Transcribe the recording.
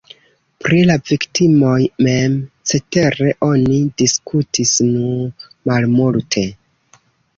Pri la viktimoj mem, cetere, oni diskutis nur malmulte.